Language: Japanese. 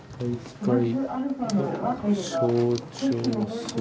はい。